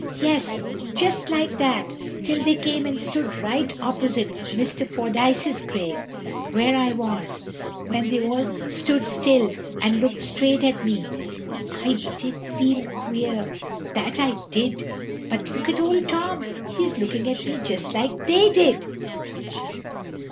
"Yes, just like that, till they came and stood right opposite Mr. Fordyce's grave, where I was, when they all stood still and looked straight at me. I did feel queer, that I did! But look at Old Tom; he's looking at me just like they did."